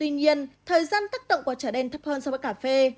tuy nhiên thời gian tác động của trở đen thấp hơn so với cà phê